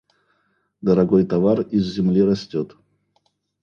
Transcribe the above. Дорогой товар из земли растет.